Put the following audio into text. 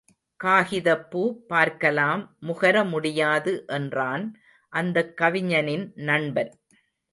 காகிதப்பூ பார்க்கலாம் முகர முடியாது என்றான் அந்தக் கவிஞனின் நண்பன்.